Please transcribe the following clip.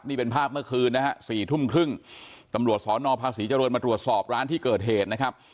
มันเป็นภาพเมื่อคืน๔๓๐นตำรวจสนพาศรีเจริญมาดูหลักสอบร้านที่เกิดเหตุนะครับ